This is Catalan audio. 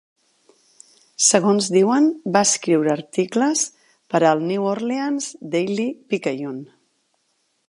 Segons diuen va escriure articles per al "New Orleans Daily Picayune".